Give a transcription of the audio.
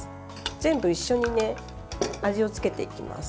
全部一緒に味をつけていきます。